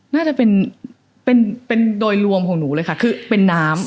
น่าจะเป็นเป็นโดยรวมของหนูเลยค่ะคือเป็นน้ำ